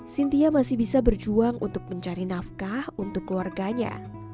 cynthia masih bisa berjuang untuk mencari nafkah untuk keluarganya